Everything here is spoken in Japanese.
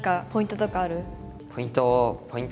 ポイント